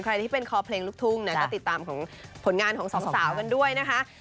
ใครที่เป็นคอเพลงลูกทุ่งนะก็ติดตามของผลงานของสองสาวกันด้วยนะคะ